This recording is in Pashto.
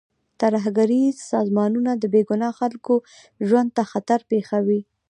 ترهګریز سازمانونه د بې ګناه خلکو ژوند ته خطر پېښوي.